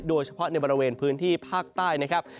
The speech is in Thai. โดยเฉพาะในบริเวณพื้นที่ภาคใต้นะครับ